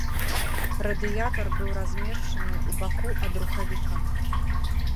Радыятар быў размешчаны ў баку ад рухавіка.